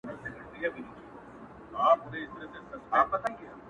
• هغه نجلۍ چي هر ساعت به یې پوښتنه کول؛